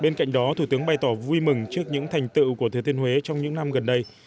bên cạnh đó thủ tướng bày tỏ vui mừng trước những thành tựu của thừa thiên huế trong những năm gần đây